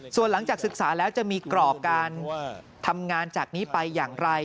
ส่วนหลังจากศึกษาแล้วจะมีกรอบการทำงานจากนี้ไปอย่างไร